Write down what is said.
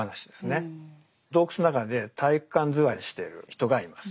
洞窟の中で体育館座りしている人がいます。